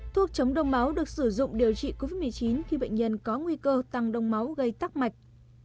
thuốc chống đông máu được sử dụng điều trị covid một mươi chín khi bệnh nhân có nguy cơ tăng đông máu gây tắc mạch